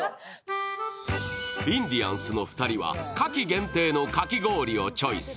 インディアンスの２人は夏季限定のかき氷をチョイス。